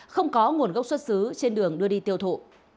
không có nguồn gốc xuất xứ trên đường đưa đi tiêu thụ